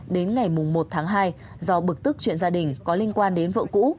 đến ngày một tháng hai do bực tức chuyện gia đình có liên quan đến vợ cũ